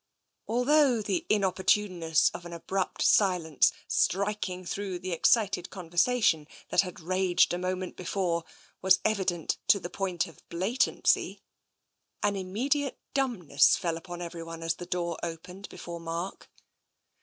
Although the inopportuneness of an abrupt silence striking through the excited conversation that had raged a moment before was evident to the point of TENSION 235 blatancy, an immediate dumbness fell upon everyone as the door opened before Mark.